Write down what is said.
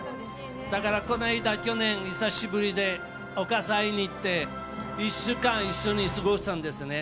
だからこの間、去年久しぶりにお母さんに会いに行って１週間、一緒に過ごしたんですね。